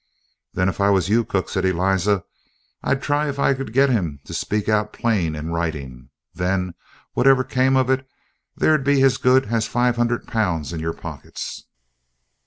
"Then, if I was you, cook," said Eliza, "I'd try if I could get him to speak out plain in writing; then, whatever came of it, there'd be as good as five hundred pounds in your pockets."